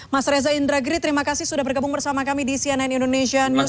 mas reza indragiri terima kasih sudah bergabung bersama kami di cnn indonesia newsroo